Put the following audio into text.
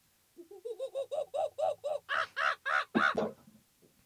د فاریاب په شیرین تګاب کې د تیلو نښې شته.